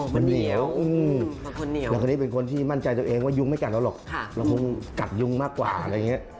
มันเหนียวแล้วคนนี้เป็นคนที่มั่นใจตัวเองว่ายุงไม่กัดเราหรอกเราคงกัดยุงมากกว่าอะไรอย่างนี้